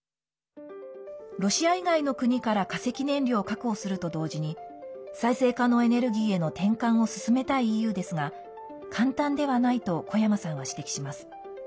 ロシア以外の国から化石燃料を確保すると同時に再生可能エネルギーへの転換を進めたいＥＵですが簡単ではないと小山さんは指摘します。